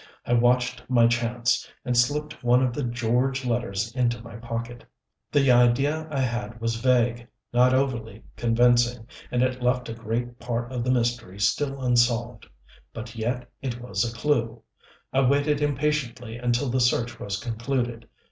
I watched my chance, and slipped one of the "George" letters into my pocket. The idea I had was vague, not overly convincing, and it left a great part of the mystery still unsolved but yet it was a clew. I waited impatiently until the search was concluded.